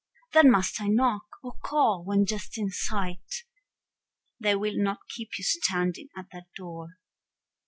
Then must I knock, or call when just in sight? They will not keep you standing at that door.